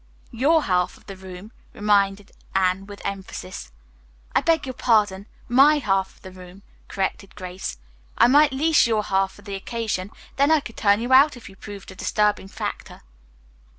"Your half of the room," reminded Anne, with emphasis. "I beg your pardon, my half of the room," corrected Grace. "I might lease your half for the occasion, then I could turn you out if you proved a disturbing factor."